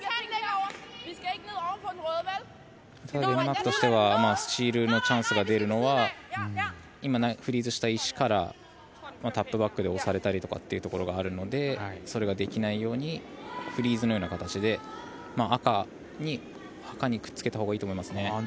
デンマークとしてスチールのチャンスが出るのは今フリーズした石からタップバックで押されたりってところがあるのでそれができないようにフリーズのような形で赤にくっつけたほうがいいと思いますね。